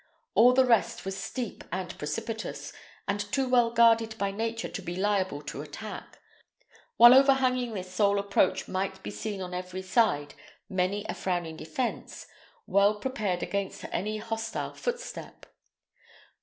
All the rest was steep and precipitous, and too well guarded by nature to be liable to attack; while overhanging this sole approach might be seen on every side many a frowning defence, well prepared against any hostile footstep.